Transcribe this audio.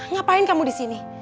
ngapain kamu disini